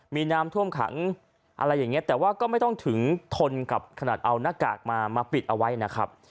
มีน้ำท่วมขังอะไรอย่างนี้แต่ว่าก็ไม่ต้องถึงทนกับขนาดเอาหน้ากากมามาปิดเอาไว้นะครับ